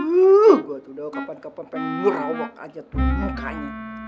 wah udah kapan kapan pengen merawak aja tuh mukanya